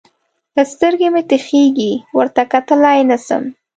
سترګې مې تخېږي؛ ورته کتلای نه سم.